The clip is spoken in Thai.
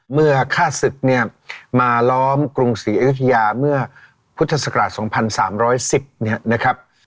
เมื่อฆ่าศึกเนี่ยมาล้อมกรุงศรีอยุธยาเมื่อพุทธศักราช๒๓๑๐เนี่ยนะครับ